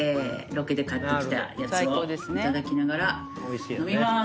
ロケで買ってきたやつをいただきながら飲みます。